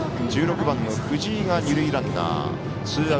１６番の藤井が二塁ランナー。